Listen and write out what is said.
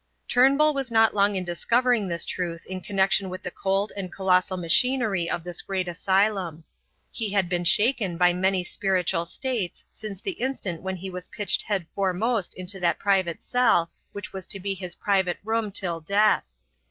Turnbull was not long in discovering this truth in connexion with the cold and colossal machinery of this great asylum. He had been shaken by many spiritual states since the instant when he was pitched head foremost into that private cell which was to be his private room till death.